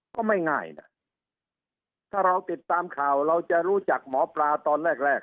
ก็ไม่ง่ายนะถ้าเราติดตามข่าวเราจะรู้จักหมอปลาตอนแรกแรก